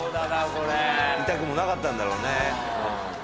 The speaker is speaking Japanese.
これ痛くもなかったんだろうね